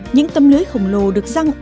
những tâm lưới khổng lồ được răng